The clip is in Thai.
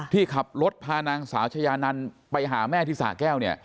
ที่ขับรถพานางสาวชายานันไปหาแม่ที่สาแก้วเนี่ย